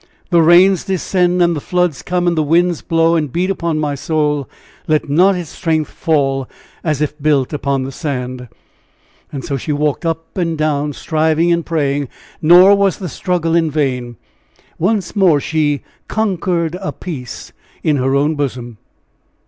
the rains descend, and the floods come, and the winds blow and beat upon my soul; let not its strength fall as if built upon the sand." And so she walked up and down, striving and praying; nor was the struggle in vain once more she "conquered a peace" in her own bosom.